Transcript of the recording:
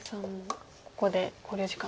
ここで考慮時間と。